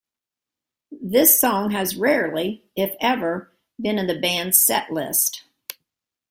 This song has rarely, if ever, been in the band's set list.